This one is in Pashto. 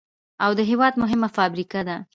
او د هېواد مهمه فابريكه ده،